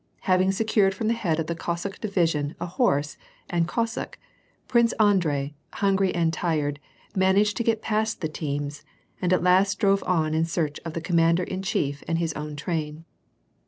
Having secured from the head of the Cossack division a horse and Cossack, i'rince Andrei, hungry and tired, managed to get past the teams, and at last drove on in search of the commander in chief, and his own train.